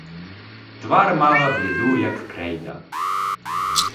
Твар мала бліду як крейда.